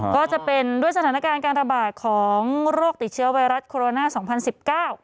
ก็จะเป็นด้วยสถานการณ์การระบาดของโรคติดเชื้อไวรัสโคโรนาสองพันสิบเก้า